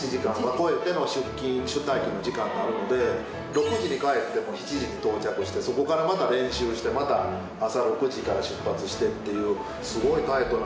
６時に帰っても７時に到着してそこからまた練習してまた朝６時から出発してっていうすごいタイトな。